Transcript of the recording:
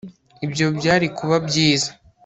ibyo byari kuba byiza